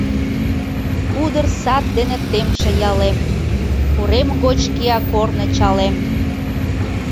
Кудыр сад дене темше ялем, Урем гоч кия корно чалем.